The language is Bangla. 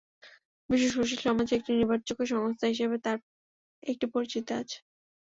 বিশ্ব সুশীল সমাজের একটি নির্ভরযোগ্য সংস্থা হিসেবে তার একটি পরিচিতি আছে।